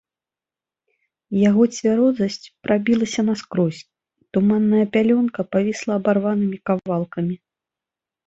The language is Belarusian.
Яго цвярозасць прабілася наскрозь, туманная пялёнка павісла абарванымі кавалкамі.